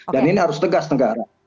dan ini harus tegas negara